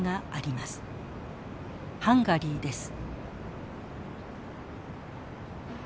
ハンガリーです。